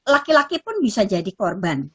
laki laki pun bisa jadi korban